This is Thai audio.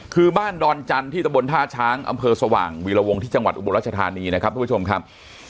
คือบ้านดอนจันทร์ที่ตะบนท่าช้างอำเภอสว่างวีรวงที่จังหวัดอุบลรัชธานีนะครับทุกผู้ชมครับ